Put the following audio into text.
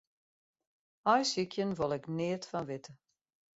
Aaisykjen wol ik neat fan witte.